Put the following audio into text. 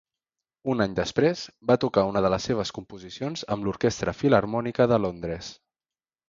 Un any després, va tocar una de les seves composicions amb l'Orquestra Filharmònica de Londres.